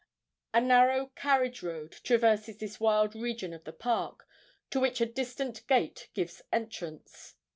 A narrow carriage road traverses this wild region of the park, to which a distant gate gives entrance.